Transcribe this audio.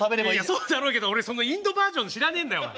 そうだろうけど俺そのインドバージョン知らねえんだわ。